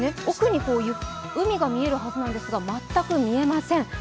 奥に海が見えるはずなんですが全く見えません。